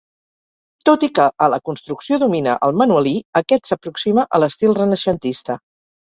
Tot i que a la construcció domina el manuelí, aquest s’aproxima a l’estil renaixentista.